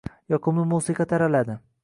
Yoqimli musiqa taraladi